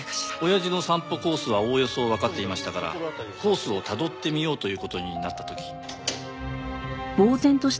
親父の散歩コースはおおよそわかっていましたからコースをたどってみようという事になった時。